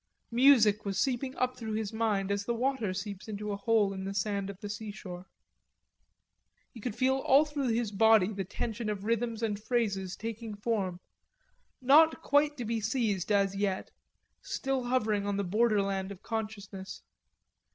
Music was seeping up through his mind as the water seeps into a hole dug in the sand of the seashore. He could feel all through his body the tension of rhythms and phrases taking form, not quite to be seized as yet, still hovering on the borderland of consciousness.